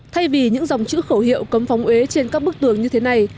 thay vì những dòng chữ khẩu hiệu cấm phóng uế trên các bức tường như thế này